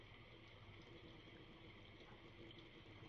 গতকাল শনিবার দুপুরে বন্ধুদের সঙ্গে সাঁতার কাটতে গিয়ে ডুবে গিয়েছিল সে।